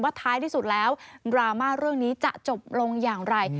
ท้ายที่สุดแล้วดราม่าเรื่องนี้จะจบลงอย่างไร